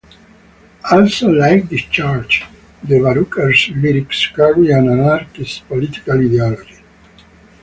Also like Discharge, the Varukers' lyrics carry an anarchist political ideology.